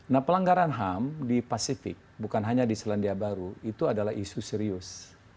nah pelanggaran ham di pasifik bukan hanya di selandia baru itu adalah isu serius